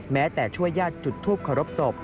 แม้แต่ช่วยญาติจุดทูปเคารพศพ